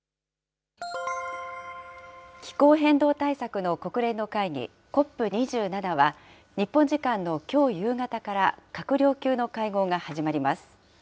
気候変動対策の国連の会議、ＣＯＰ２７は、日本時間のきょう夕方から、閣僚級の会合が始まります。